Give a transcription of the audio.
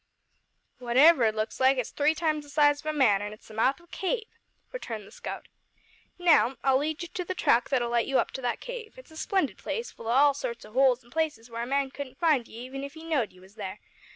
"Whatever it looks like it's three times the size of a man, an' it's the mouth of a cave," returned the scout. "Now, I'll lead you to the track that'll let you up to that cave. It's a splendid place, full of all sorts o' holes an' places where a man couldn't find you even if he know'd you was there.